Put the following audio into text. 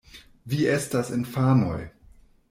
Vi estas infanoj.